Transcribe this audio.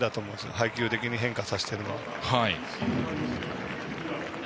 配球的に変化させているのは。